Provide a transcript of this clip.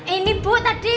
ini bu tadi